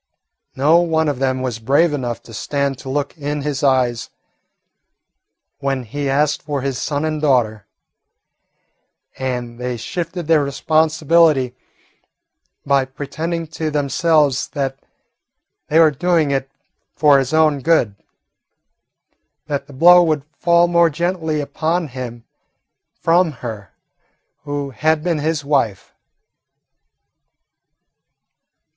No one of them was brave enough to stand to look in his eyes when he asked for his son and daughter, and they shifted their responsibility by pretending to themselves that they were doing it for his own good: that the blow would fall more gently upon him coming from her who had been his wife.